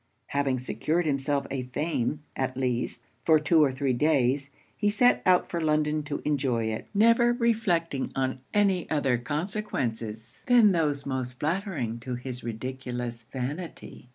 Having secured himself a fame, at least, for two or three days, he set out for London to enjoy it; never reflecting on any other consequences than those most flattering to his ridiculous vanity.